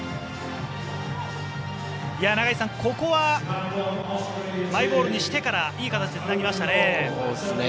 永井さん、ここはマイボールにしてからいい形でつなぎましたね。